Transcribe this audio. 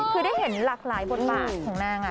คือได้เห็นหลากหลายบทบาทของนาง